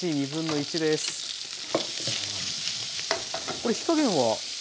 これ火加減は？